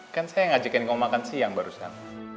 kan saya ngajakin kamu makan siang barusan